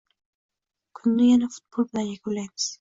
Kunni yana futbol bilan yakunlaymiz